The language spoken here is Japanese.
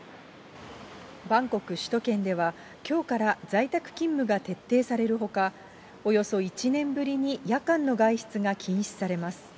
バンコク首都圏では、きょうから在宅勤務が徹底されるほか、およそ１年ぶりに夜間の外出が禁止されます。